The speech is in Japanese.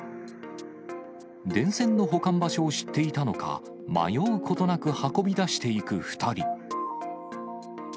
電線の保管場所を知っていたのか、迷うことなく運び出していく２人。